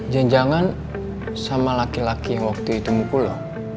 jangan jangan sama laki laki yang waktu itu mukul lo